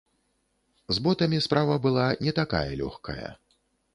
З ботамі справа была не такая лёгкая.